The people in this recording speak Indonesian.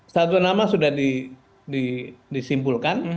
satu nama sudah disimpulkan